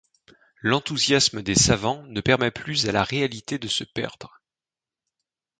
L'enthousiasme des savants ne permet plus à la réalité de se perdre.